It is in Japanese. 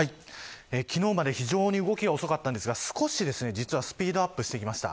昨日まで非常に動きが遅かったんですが、少し実はスピードアップしてきました。